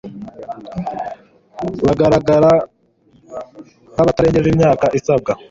bagaragara nk'abatarengeje imyaka isabwa